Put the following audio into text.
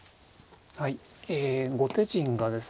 はいえ後手陣がですね